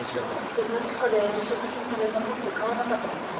デパ地下で試食品食べまくって買わなかったことかな。